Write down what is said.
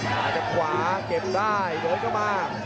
มาจากขวาเก็บได้โดยเข้ามา